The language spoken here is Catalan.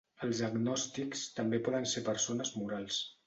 Els agnòstics també poden ser persones morals.